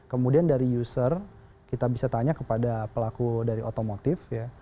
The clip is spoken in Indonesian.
kemudian dari user kita bisa tanya kepada pelaku dari otomotif ya